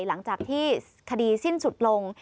หลังจากที่คดีสิ้นสุดลง